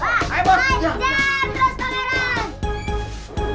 ajar terus tolong